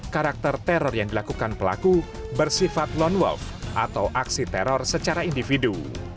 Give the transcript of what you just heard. karakter teror yang dilakukan pelaku bersifat lone wolf atau aksi teror secara individu